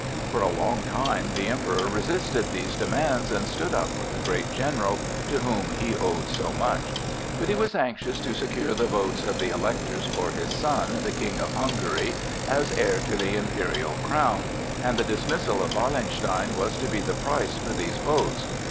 For a long time the Emperor resisted these demands and stood up for the great general to whom he owed so much; but he was anxious to secure the votes of the Electors for his son, the King of Hungary, as heir to the imperial crown, and the dismissal of Wallenstein was to be the price for these votes.